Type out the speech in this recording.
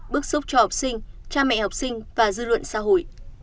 bức xúc cho học sinh cha mẹ học sinh và dư luận xã hội